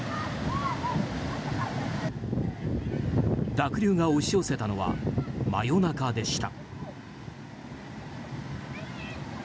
濁流が押し寄せたのは真夜中でした。